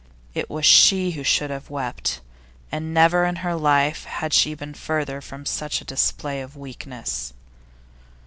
It was she who should have wept, and never in her life had she been further from such display of weakness.